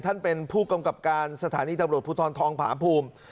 ท่านเป็นผู้กำกับการสถานีตำรวจภูทรทองผาภูมิ